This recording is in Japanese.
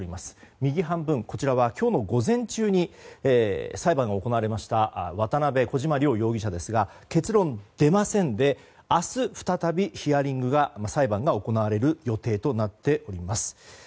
右半分は今日午前中に裁判が行われました渡邉、小島両容疑者ですが結論、出ませんで明日再びヒアリング、裁判が行われる予定となっています。